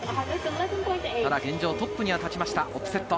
ただ現状トップに立ちました、オプセット。